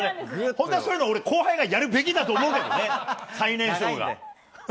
本当はそういうの、後輩がやるべきだと思うけどね、最年少が。